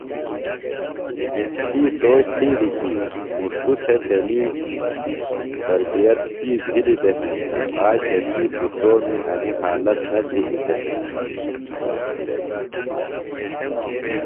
تی سوچ تِھیلیۡ کی مُݜٹوۡ تھےۡ تنیۡ تربیت شُوئی بِھلیۡ دےۡ ہینتہ آج تسی پُترومی انیۡ حالت نہ بِھلیۡ دےۡ ہینتہ۔